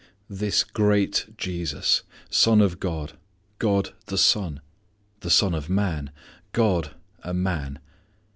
This great Jesus! Son of God: God the Son. The Son of Man: God a man!